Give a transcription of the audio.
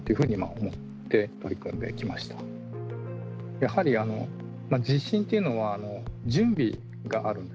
やはり地震というのは準備があるんですね。